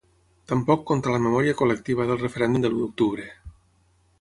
Tampoc contra la memòria col·lectiva del referèndum de l’u d’octubre.